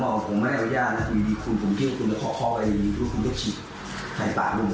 บอกว่าผมไม่ได้เอาแย่นะบีบีคุณผมเชื่อว่าคุณจะคอกคอไว้บีบีคุณจะฉีดใส่ปากลูกผมไป